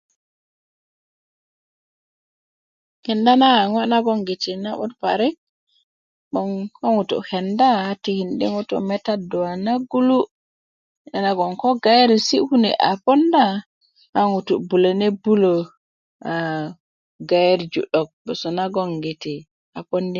kenda a ŋo' nagoŋgiti na'but parik 'boŋ ko ŋutu' kenda a tikindi' ŋutu' yi metadu a nagulu' nyenagon ko gayiresi' kune a ponda a ŋutu' bulöne bulö aa gayerju 'dok gboso nagoŋ a pondi